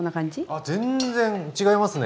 あ全然違いますね。